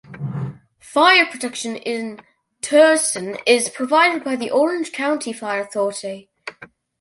Fire protection in Tustin is provided by the Orange County Fire Authority.